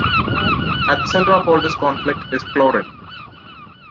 At the center of all this conflict is Clorinde.